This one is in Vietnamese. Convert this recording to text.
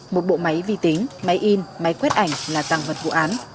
một bộ máy vi tính máy in máy quét ảnh là tàng vật vụ án